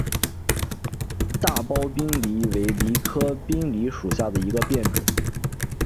大苞滨藜为藜科滨藜属下的一个变种。